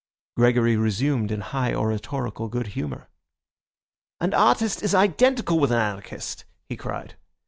Gregory resumed in high oratorical good humour. "An artist is identical with an anarchist," he cried.